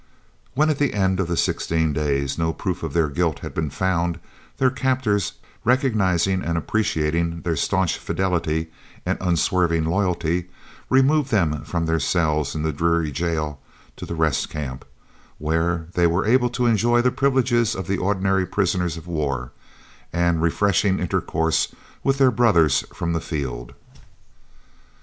When at the end of the sixteen days no proof of their guilt had been found, their captors, recognising and appreciating their staunch fidelity and unswerving loyalty, removed them from their cells in the dreary jail to the Rest Camp, where they were able to enjoy the privileges of the ordinary prisoners of war, and refreshing intercourse with their brothers from the field.